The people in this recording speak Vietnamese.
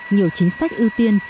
nhiều chính sách ưu tiên